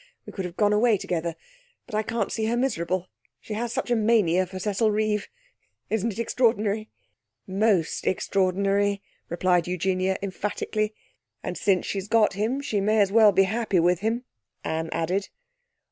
We could have gone away together. But I can't see her miserable. She has such a mania for Cecil Reeve! Isn't it extraordinary?' 'Most extraordinary,' replied Eugenia emphatically. 'And since she's got him, she may as well be happy with him,' Anne added.